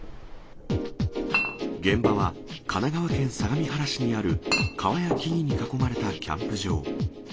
現場は神奈川県相模原市にある、川や木々に囲まれたキャンプ場。